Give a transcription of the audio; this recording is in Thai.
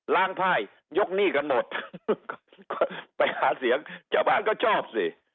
ล้างพ่ายยกหนี้กันหมดไปหาเสียงเจ้าบ้านก็ชอบสิ